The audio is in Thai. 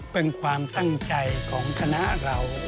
เป็นความตั้งใจของคณะเรา